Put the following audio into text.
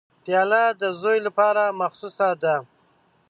پیاله د زوی لپاره مخصوصه ده.